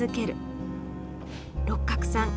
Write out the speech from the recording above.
六角さん